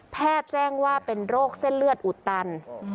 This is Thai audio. แจ้งว่าเป็นโรคเส้นเลือดอุดตัน